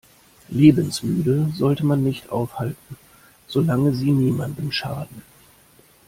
Lebensmüde sollte man nicht aufhalten, solange sie niemandem schaden.